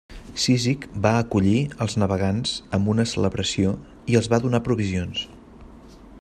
Cízic va acollir als navegants amb una celebració i els va donar provisions.